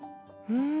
うん。